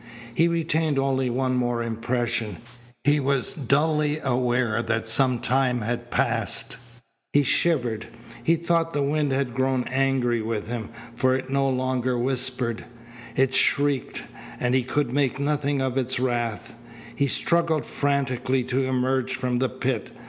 He retained only one more impression. He was dully aware that some time had passed. He shivered. He thought the wind had grown angry with him, for it no longer whispered. It shrieked, and he could make nothing of its wrath. He struggled frantically to emerge from the pit.